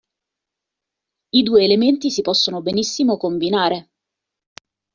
I due elementi si possono benissimo combinare.